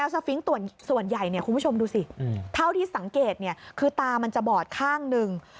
สฟิงค์ส่วนใหญ่คุณผู้ชมดูสิเท่าที่สังเกตคือตามันจะบอดข้างหนึ่ง